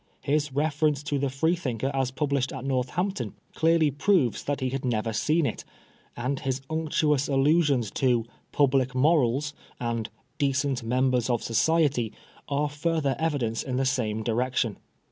His reference to the Freethinker as published at Northampton, clearly proves that he had never seen it ; and his unctuous allusions to public morals " and " decent members of society " are further evidence in the same direction.